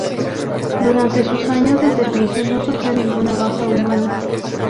Durante sus años de servicio, no sufrió ninguna baja humana.